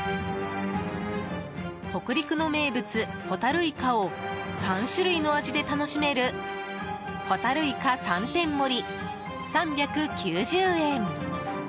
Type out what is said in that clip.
北陸の名物ホタルイカを３種類の味で楽しめるほたるいか三点盛、３９０円。